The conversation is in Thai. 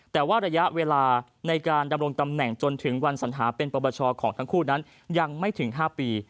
แต่ว่าระยะเวลาในการดำรงตำแหน่งจนถึงวันสัญหาเป็นปปชของทั้งคู่นั้นยังไม่ถึง๕ปี